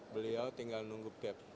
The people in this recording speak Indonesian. beliau tinggal nunggu